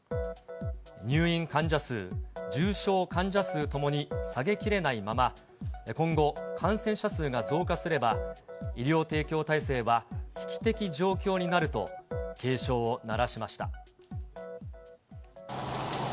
入院患者数、重症患者数ともに下げきれないまま、今後、感染者数が増加すれば、医療提供体制は危機的状況になると警鐘を鳴らしました。